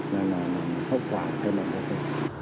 nên là một hốc quả của cái năng cầu thả